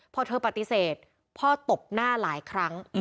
พอเธอปฏิเสธพ่อตบหน้าหลายครั้ง